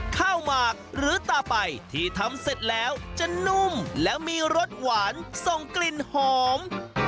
หมากหรือตาไปที่ทำเสร็จแล้วจะนุ่มและมีรสหวานส่งกลิ่นหอม